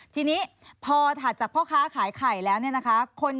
ทีนี้พอถัดจากพ่อค้าขายไข่แล้วเนี่ยนะคะ